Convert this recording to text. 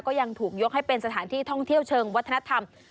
ก็ยังถูกยกให้เป็นสถานที่ท่องเที่ยวเชิงวัฒนธรรม